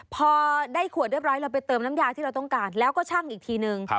พอได้ขวดเรียบร้อยเราไปเติมน้ำยาที่เราต้องการแล้วก็ชั่งอีกทีนึง